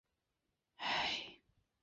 藤泽町是位于岩手县南端的一町。